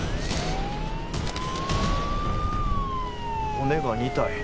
骨が２体。